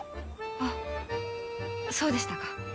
あっそうでしたか。